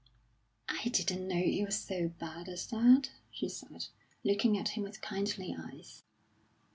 "I didn't know it was so bad as that," she said, looking at him with kindly eyes.